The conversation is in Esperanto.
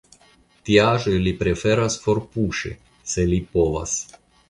Tiaĵoj li preferas forpuŝi, se li povas.